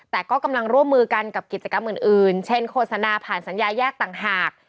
แต่ก็กำลังร่วมมือกันกับกิจกรรมอื่นเช่นโฆษณาผ่านสัญญาแยกต่างหาก